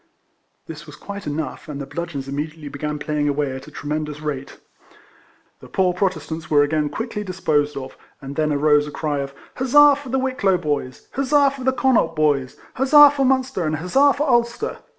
This was quite enough, and the bludgeons immediately began playing away at a tremendous rate. The poor Protestants were again quickly disposed of, and then arose a cry of Huzza for the Wicklow boys, Huzza for the Con naught boys, Huzza for Munster, and Huzza for Ulster!